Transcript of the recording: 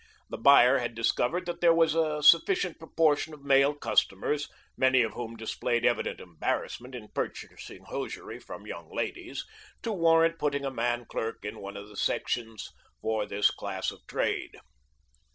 The buyer had discovered that there was a sufficient proportion of male customers, many of whom displayed evident embarrassment in purchasing hosiery from young ladies, to warrant putting a man clerk in one of the sections for this class of trade.